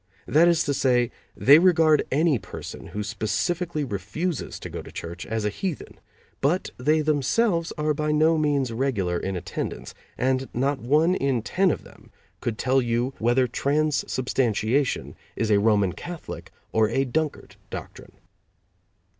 That is to say, they regard any person who specifically refuses to go to church as a heathen, but they themselves are by no means regular in attendance, and not one in ten of them could tell you whether transubstantiation is a Roman Catholic or a Dunkard doctrine.